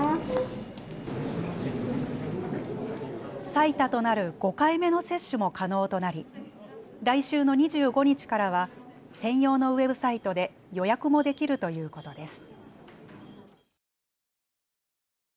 最多となる５回目の接種も可能となり来週の２５日からは専用のウェブサイトで予約もできるということです。